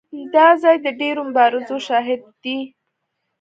دا ځای د ډېرو مبارزو شاهد دی.